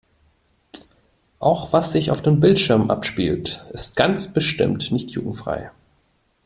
Auch was sich auf den Bildschirmen abspielt, ist ganz bestimmt nicht jugendfrei.